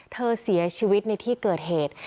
เสียชีวิตในที่เกิดเหตุ